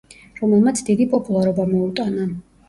რომელმაც დიდი პოპულარობა მოუტანა.